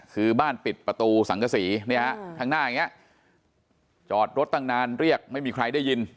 คือบ้านปิดประตูสังกษีข้างหน้าอย่างนี้จอดรถตั้งนานเรียกไม่มีใครได้ยิน